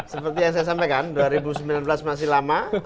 seperti yang saya sampaikan dua ribu sembilan belas masih lama